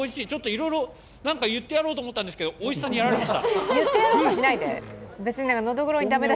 いろいろなんか言ってやろうと思ったんですがおいしさにやられてしまいました。